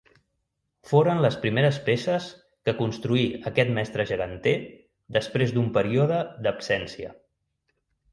Foren les primeres peces que construí aquest mestre geganter després d'un període d'absència.